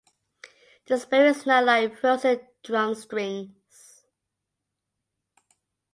The spirit is now like frozen drum strings.